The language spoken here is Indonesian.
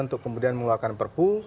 untuk kemudian mengeluarkan perpu